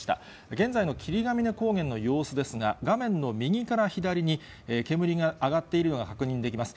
現在の霧ヶ峰高原の様子ですが、画面の右から左に煙が上がっているのが確認できます。